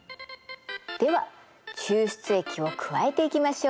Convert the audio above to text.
では抽出液を加えていきましょう。